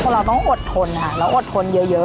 เราต้องอดทนค่ะเราอดทนเยอะ